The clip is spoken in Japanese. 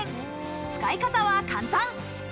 使い方は簡単。